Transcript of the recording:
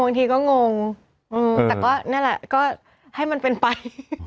บางทีก็งงแต่ก็นั่นแหละก็ให้มันเป็นไป